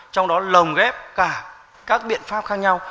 trong đó lồng ghép cả các biện pháp khác nhau